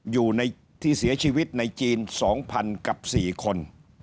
อยู่ในที่เสียชีวิตในจีน๒๐๐๐กับ๔คน